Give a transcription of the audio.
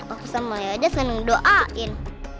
aku sama yaja seneng doain